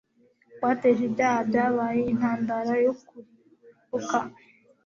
kwateje ibyaha byabaye intandaro y’ukurimbuka